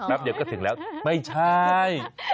เดียวก็ถึงแล้วไม่ใช่